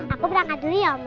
aku berangkat dulu ya oma